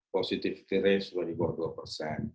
positif krisis sudah di bawah dua persen